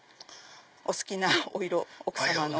お好きなお色奥さまの。